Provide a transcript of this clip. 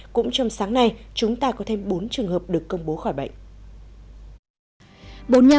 cũng trong sáng nay chúng ta có thêm bốn trường hợp được công bố khỏi bệnh